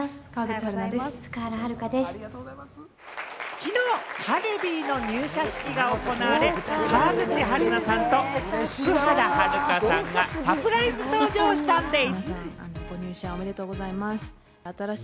昨日、カルビーの入社式が行われ、川口春奈さんと福原遥さんがサプライズ登場したんでぃす！